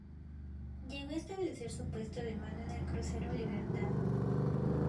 Llegó a establecer su puesto de mando en el crucero "Libertad".